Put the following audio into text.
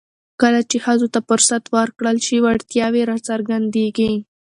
کله چې ښځو ته فرصت ورکړل شي، وړتیاوې راڅرګندېږي.